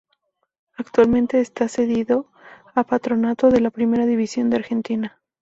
Actualmente está cedido a Patronato de la Primera División de Argentina.